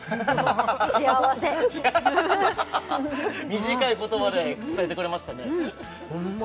幸せ短い言葉で伝えてくれましたねホンマ